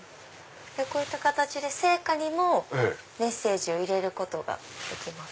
こういった形で生花にもメッセージを入れることができます。